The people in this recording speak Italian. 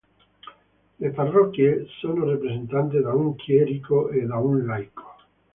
Le parrocchie sono rappresentate da un chierico e da un laico.